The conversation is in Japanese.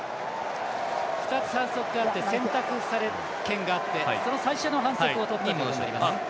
２つ反則があって選択権があってその最初の反則をとったことになります。